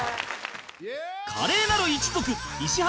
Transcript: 華麗なる一族石原